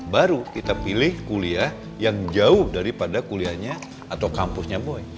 baru kita pilih kuliah yang jauh daripada kuliahnya atau kampusnya mulai